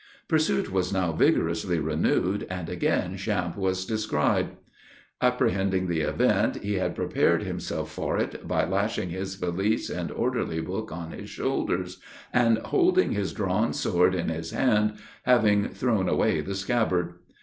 Pursuit was now vigorously renewed, and again Champe was descried. Apprehending the event, he had prepared himself for it by lashing his valise and orderly book on his shoulders, and holding his drawn sword in his hand, having thrown away the scabbard.